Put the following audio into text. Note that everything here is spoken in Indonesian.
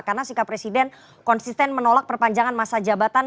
karena si kepresiden konsisten menolak perpanjangan masa jabatan